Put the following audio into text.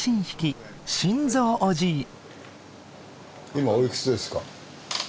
今おいくつですか？